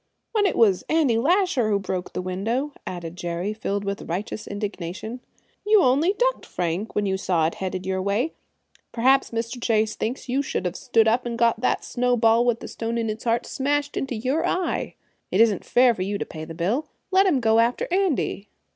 "When it was Andy Lasher who broke the window," added Jerry, filled with righteous indignation. "You only ducked, Frank, when you saw it headed your way. Perhaps Mr. Chase thinks you should have stood up and got that snowball with the stone in its heart smashed in your eye. It isn't fair for you to pay the bill. Let him go after Andy."